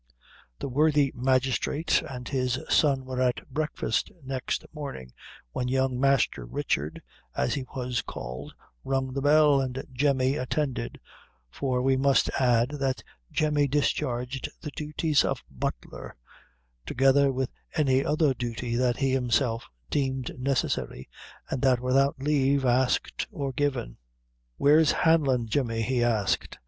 The worthy magistrate and his son were at breakfast next morning, when young "Master Richard," as he was called, rung the bell, and Jemmy attended for we must add, that Jemmy discharged the duties of butler, together with any other duty that he himself deemed necessary, and that without leave asked or given. "Where's Hanlon, Jemmy?" he asked.